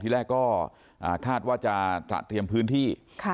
แรกก็คาดว่าจะตระเตรียมพื้นที่